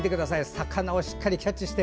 魚をしっかりキャッチして。